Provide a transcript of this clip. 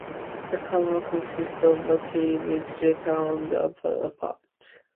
The cover consists of a tree with letter on the upper part.